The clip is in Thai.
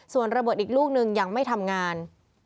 ส่วนระเบิดอีกลูกนึงยังไม่ทำงาน